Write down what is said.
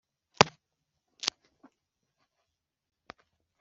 Intumwa idasanzwe ishobora gukora iperereza iryo gufatwa kwa yesu